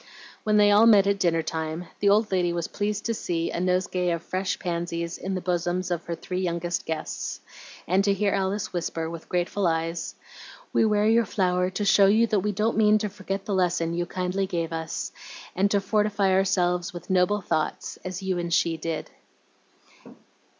When they all met at dinner time the old lady was pleased to see a nosegay of fresh pansies in the bosoms of her three youngest guests, and to hear Alice whisper, with grateful eyes, "We wear your flower to show you that we don't mean to forget the lesson you so kindly gave us, and to fortify ourselves with 'noble thoughts,' as you and she did."